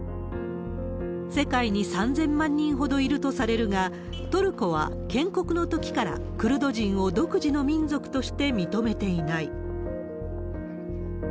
世界に３０００万人ほどいるとされるが、トルコは建国のときから、クルド人を独自の民族として認めていない。